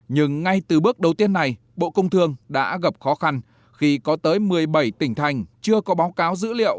nhưng ngay từ bước đầu tiên này bộ công thương đã gặp khó khăn khi có tới một mươi bảy tỉnh thành chưa có báo cáo dữ liệu